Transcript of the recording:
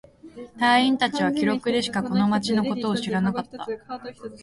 隊員達は記録でしかこの町のことを知らなかった。